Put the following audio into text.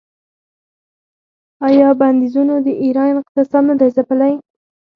آیا بندیزونو د ایران اقتصاد نه دی ځپلی؟